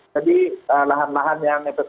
jadi lahan lahan yang